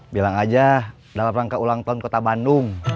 bilang aja dalam rangka ulang tahun kota bandung